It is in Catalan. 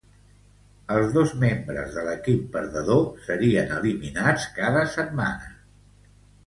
Els dos membres de l'equip perdedor serien eliminats cada setmana.